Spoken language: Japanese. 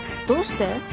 どうして？